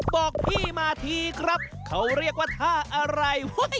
บอกพี่มาทีครับเขาเรียกว่าท่าอะไร